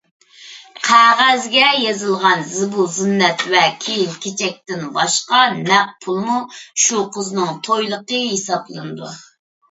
قەغەزگە يېزىلغان زىبۇ-زىننەت ۋە كىيىم-كېچەكتىن باشقا، نەق پۇلمۇ شۇ قىزنىڭ تويلۇقى ھېسابلىنىدۇ.